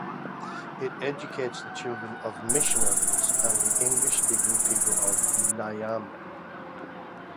It educates the children of missionaries and the English speaking people of Niamey.